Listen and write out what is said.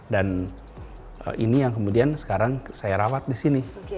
dan ini yang kemudian sekarang saya rawat disini